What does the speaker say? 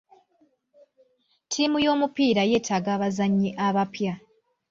Ttiimu y'omupiira yeetaaga abazannyi abapya.